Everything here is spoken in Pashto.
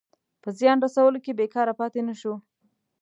په زیان رسولو کې بېکاره پاته نه شو.